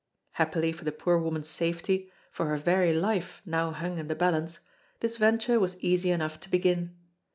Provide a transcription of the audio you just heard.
Happily for the poor woman's safety, for her very life now hung in the balance, this venture was easy enough to begin.